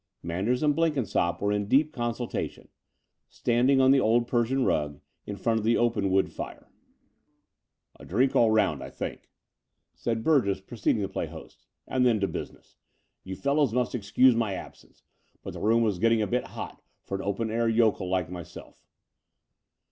Manders and Blenkinsopp were in deep consulta tion, standing on the old Persian rug in front of the open wood fire. "A drink all round, I think/' said Burgess, 240 The Door of the Unreal proceeding to play host, ^'and then to business. You fellows must excuse my absence, but the room was getting a bit hot for an open air yokel like myself.